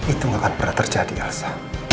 itu gak akan pernah terjadi elsa